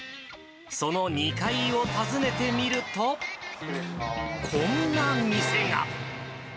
その２階を訪ねてみると、こんな店が。